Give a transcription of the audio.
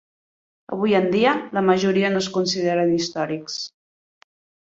Avui en dia, la majoria no es consideren històrics.